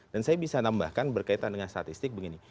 dan saya bisa menambahkan berkaitan dengan statistik begini